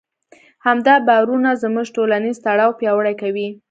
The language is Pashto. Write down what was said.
همدا باورونه زموږ ټولنیز تړاو پیاوړی کوي.